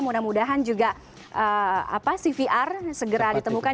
mudah mudahan juga cvr segera ditemukan